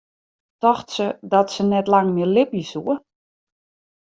Tocht se dat se net lang mear libje soe?